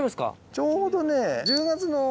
ちょうどね。